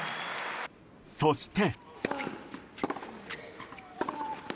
そして。